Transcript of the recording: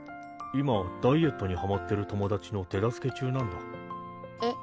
今ダイエットにハマってる友達の手助け中なんだ。えっ？